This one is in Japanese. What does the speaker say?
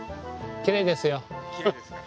きれいですか。